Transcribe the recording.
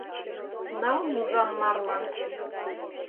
Нал Музам марлан.